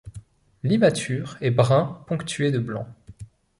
L'immature est brun ponctué de blanc.